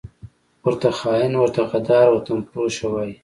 ورته خاین، ورته غدار، وطنفروشه وايي